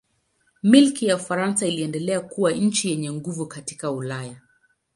Milki ya Ufaransa iliendelea kuwa nchi yenye nguvu katika Ulaya.